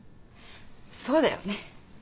そうだよね。